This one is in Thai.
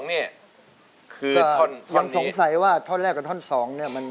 เปลี่ยนสงสัยว่าทอน๑กับทอน๒